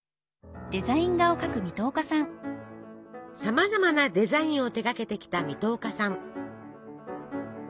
さまざまなデザインを手がけてきた水戸岡さん。